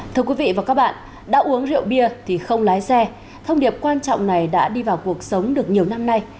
thưa quý vị và các bạn đã uống rượu bia thì không lái xe thông điệp quan trọng này đã đi vào cuộc sống được nhiều năm nay